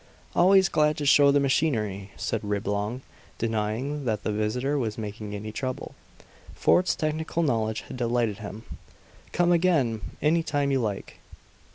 "Always glad to show the machinery," said Reblong, denying that the visitor was making any trouble. Fort's technical knowledge had delighted him. "Come again any time you like."